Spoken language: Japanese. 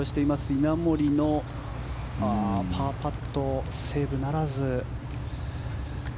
稲森のパーパットセーブならず。